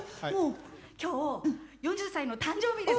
今日４０歳の誕生日です。